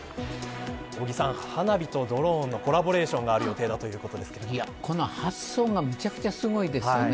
尾木さん、花火とドローンのコラボレーションがあるというこの発想がむちゃくちゃすごいですよね。